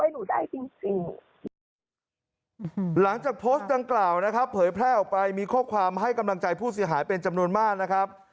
หลังจากโพสต์ดังกล่าวนะครับเผยแพร่ออกไปมีข้อความให้กำลังใจผู้เสียหายเป็นจำนวนมากนะครับ